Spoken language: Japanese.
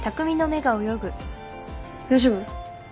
大丈夫？